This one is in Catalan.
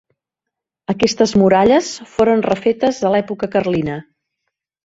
Aquestes muralles foren refetes a l'època carlina.